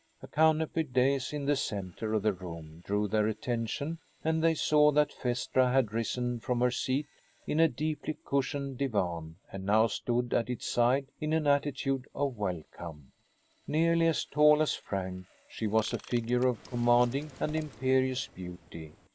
A canopied dais in the center of the room drew their attention and they saw that Phaestra had risen from her seat in a deeply cushioned divan and now stood at its side in an attitude of welcome. Nearly as tall as Frank, she was a figure of commanding and imperious beauty.